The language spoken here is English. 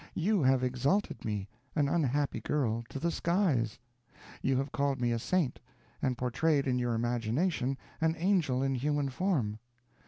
You have exalted me, an unhappy girl, to the skies; you have called me a saint, and portrayed in your imagination an angel in human form.